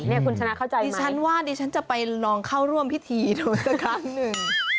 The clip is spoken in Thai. นี่คุณชนะเข้าใจดิฉันว่าดิฉันจะไปลองเข้าร่วมพิธีดูสักครั้งหนึ่ง